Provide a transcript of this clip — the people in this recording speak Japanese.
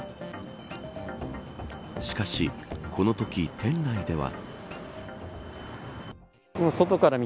しかし、このとき店内では。